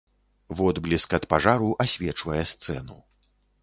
Водбліск ад пажару асвечвае сцэну.